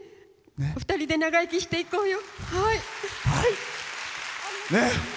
２人で長生きしていこうよ。